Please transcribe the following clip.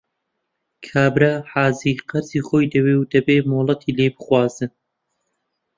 کابرا حاجی قەرزی خۆی دەوێ و دەبێ مۆڵەتی لێ بخوازن